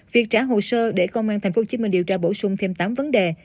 việc trả hồ sơ để công an tp hcm điều tra bổ sung thêm tám vấn đề